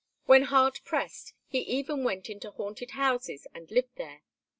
When hard pressed he even went into haunted houses and lived there.